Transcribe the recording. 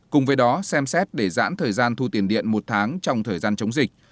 cùng với đó xem xét để giãn thời gian thu tiền điện một tháng trong thời gian chống dịch